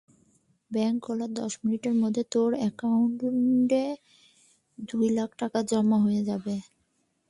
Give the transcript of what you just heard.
Bank খোলার দশ মিনিটের মধ্যে তোর একাউন্টে দুই লাখ টাকা জমা হয়ে যাবে।